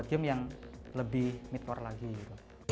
kita bisa membuat game yang lebih mid core lagi gitu